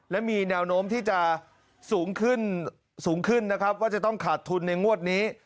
และมีแนวโน้มที่จะสูงขึ้นสูงขึ้นนะครับว่าจะต้องขาดทุนในงวดนี้